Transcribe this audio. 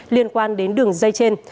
liên quan đến đường dây trên